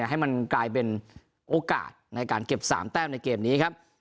ให้มันกลายเป็นโอกาสในการเก็บ๓แต้มในเกมนี้ครับ